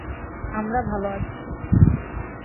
আমরা ভালো আছি।